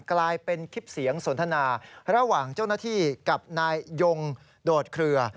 กลายเป็นคลิปเสียงสนทนาระหว่างเจ้าหน้าที่กับนายยงโดดเคลือ